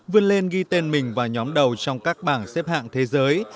vươn lên ghi tên mình vào nhóm đầu trong các bảng xếp hạng thế giới